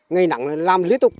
ngày nặng làm lý tục